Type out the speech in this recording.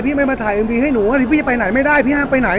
ไม่มาถ่ายเอ็มวีให้หนูพี่ไปไหนไม่ได้พี่ห้ามไปไหน